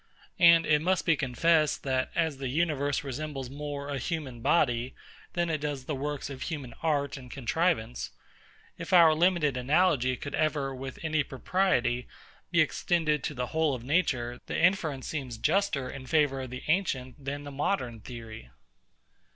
And it must be confessed, that, as the universe resembles more a human body than it does the works of human art and contrivance, if our limited analogy could ever, with any propriety, be extended to the whole of nature, the inference seems juster in favour of the ancient than the modern theory.